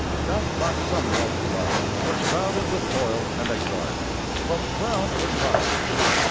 That last summer of his life was crowded with toil and anxiety, but crowned with triumph.